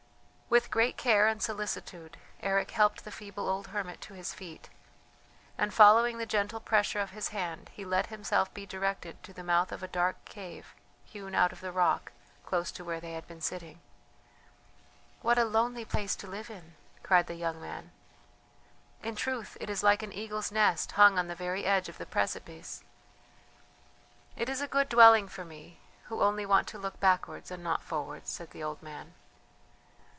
With great care and solicitude Eric helped the feeble old hermit to his feet, and following the gentle pressure of his hand, he let himself be directed to the mouth of a dark cave, hewn out of the rock, close to where they had been sitting. "What a lonely place to live in!" cried the young man. "In truth it is like an eagle's nest hung on the very edge of the precipice!" "It is a good dwelling for me, who only want to look backwards and not forwards," said the old man.